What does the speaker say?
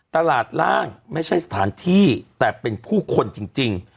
ตลาดร่างไม่ใช่สถานที่แต่เป็นผู้คนจริง